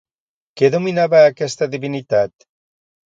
Què dominava aquesta divinitat?